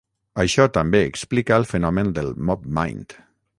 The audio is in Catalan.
Això també explica el fenomen del mob mind.